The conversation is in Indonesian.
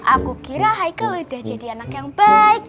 aku kira haikal udah jadi anak yang baik